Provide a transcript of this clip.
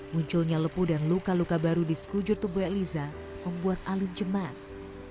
munculnya lepu dan luka luka baru di sekujur tubuh eliza membuat alim cemas